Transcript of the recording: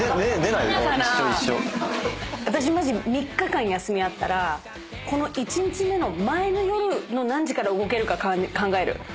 私マジ３日間休みあったらこの１日目の前の夜の何時から動けるか考える。